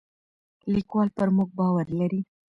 لیکوال پر موږ باور لري.